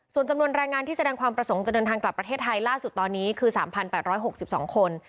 ส่วนจำนวนแรงงานที่แสดงความประสงค์จะเดินทางกลับประเทศไทยล่าสุดตอนนี้คือ๓๘๖๒คน